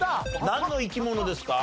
なんの生き物ですか？